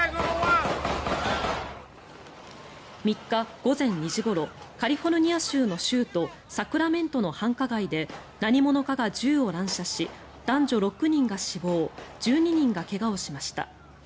３日午前２時ごろカリフォルニア州の州都サクラメントの繁華街で何者かが銃を乱射し男女６人が死亡１２人が怪我をしました。